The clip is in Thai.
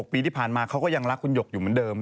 ปีที่ผ่านมาเขาก็ยังรักคุณหยกอยู่เหมือนเดิม